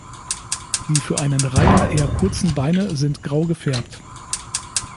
Die für einen Reiher eher kurzen Beine sind grau gefärbt.